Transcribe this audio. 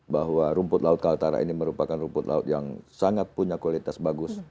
bahwa rumput laut kaltara ini merupakan rumput laut yang sangat punya kualitas bagus